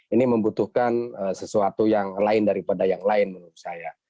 ini membutuhkan sesuatu yang lain daripada yang lain menurut saya